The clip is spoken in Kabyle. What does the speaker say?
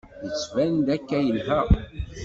Yettban-d akka yelha.